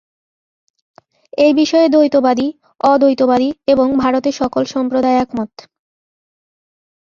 এই বিষয়ে দ্বৈতবাদী, অদ্বৈতবাদী এবং ভারতের সকল সম্প্রদায় একমত।